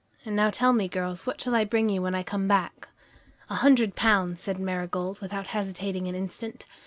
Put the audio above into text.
And now tell me, girls, what shall I bring you when I come back?" "A hundred pounds," said Marigold, without hesitating an instant.